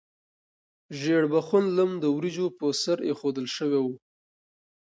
ژیړبخون لم د وریجو په سر ایښودل شوی و.